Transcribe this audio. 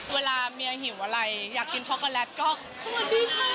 เวลาเมียหิวอะไรอยากกินช็อกโกแลตก็สวัสดีค่ะ